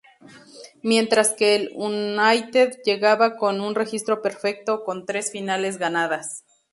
Mientras que el United llegaba con un registro perfecto, con tres finales ganadas.